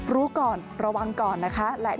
รู้ก่อนระวังก่อนนะคะ